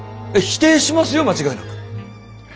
否定しますよ間違いなく。